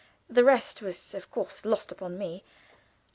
The rest was of course lost upon me.